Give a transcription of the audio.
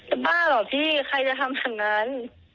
ก็บ้าเหรอพี่ใครจะทำดังนั้น